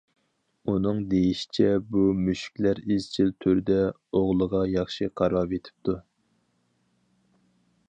ئۇنىڭ دېيىشىچە بۇ مۈشۈكلەر ئىزچىل تۈردە ئوغلىغا ياخشى قاراۋېتىپتۇ.